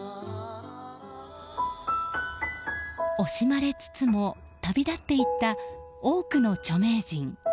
惜しまれつつも旅立っていった多くの著名人。